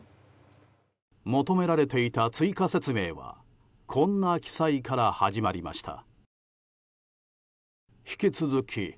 求められていた追加説明はこんな記載から始まりました。